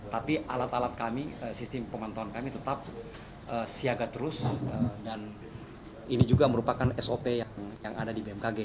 tapi alat alat kami sistem pemantauan kami tetap siaga terus dan ini juga merupakan sop yang ada di bmkg